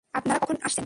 আপনারা কখন আসছেন?